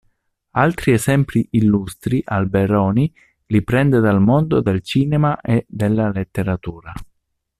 Altri esempi illustri, Alberoni li prende dal mondo del cinema e della letteratura.